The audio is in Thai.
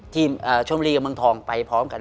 ชมบุรีกับเมืองทองไปพร้อมกัน